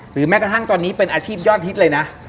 แม้กระทั่งตอนนี้เป็นอาชีพยอดฮิตเลยนะ